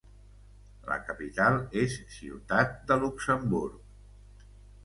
La capital és Ciutat de Luxemburg.